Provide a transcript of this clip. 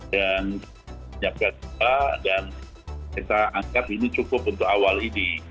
dan siapkan semua dan kita angkat ini cukup untuk awal ini